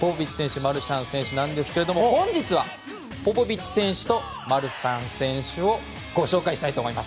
マルシャン選手なんですが本日はポポビッチ選手とマルシャン選手をご紹介したいと思います。